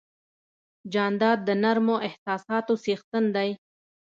جانداد د نرمو احساساتو څښتن دی.